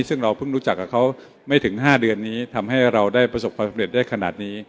ซึ่งเราเพิ่งรู้จักกับเขาไม่ถึง๕เดือนนี้ทำให้เราได้ประสบความสำเร็จได้ขนาดนี้